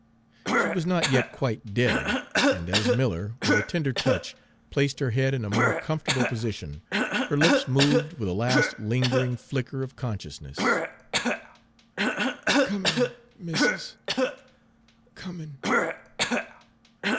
She was not yet quite dead, and as Miller, with a tender touch, placed her head in a more comfortable position, her lips moved with a last lingering flicker of consciousness: "Comin', missis, comin'!"